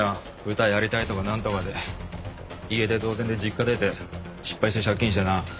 歌やりたいとかなんとかで家出同然で実家出て失敗して借金してな。